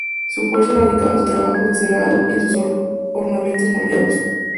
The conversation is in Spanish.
Su fuerza radicaba en su trabajo de cerrado y en sus ornamentos moldeados.